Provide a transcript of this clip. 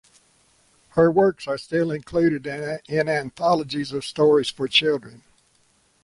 Her works are still included in anthologies of stories for children.